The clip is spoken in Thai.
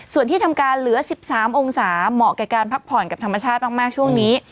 ส่วนที่ทำการเหลือ๑๓องศาเหมาะกับการพักผ่อนกับธรรมชาติมากช่วงนี้